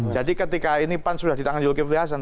jadi ketika ini pan sudah di tangan yul kivilasan